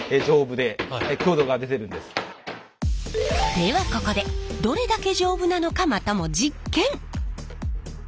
ではここでどれだけ丈夫なのかまたも実験！